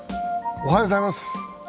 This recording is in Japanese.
おはようございます。